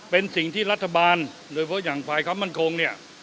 เป็นสิ่งที่รัฐบาลโดยเฉพาะอย่างภายคำว่านคง